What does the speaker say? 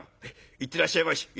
「行ってらっしゃいまし」。